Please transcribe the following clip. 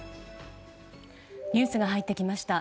ニュースが入ってきました。